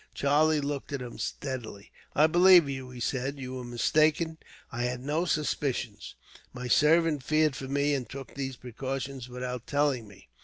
Charlie looked at him steadily. "I believe you," he said. "You were mistaken. I had no suspicions. My servant feared for me, and took these precautions without telling me.